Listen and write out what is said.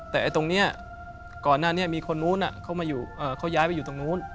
แต่ตรงนี้ก่อนหน้านี้มีคนนู้นเขาย้ายไปอยู่ตรงนู้น